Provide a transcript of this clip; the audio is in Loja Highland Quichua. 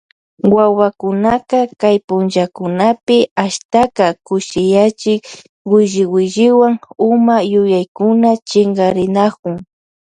Wawakunaka kay punllakunapi ashtaka kushiyachiy williwilliwan huma yuyaykuna chinkarinakun.